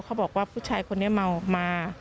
เขาบอกว่าผู้ชายคนนี้เมามา